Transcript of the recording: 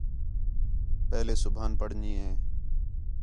پہلے سُبحان پڑھݨی ہے